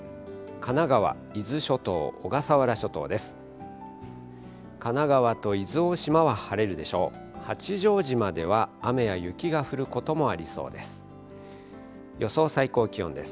神奈川、伊豆諸島、小笠原諸島です。